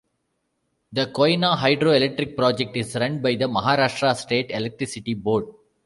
The Koyna hydro-electric project is run by the Maharashtra State Electricity Board.